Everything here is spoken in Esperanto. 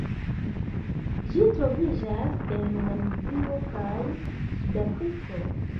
Ĝi troviĝas en Namibio kaj Sudafriko.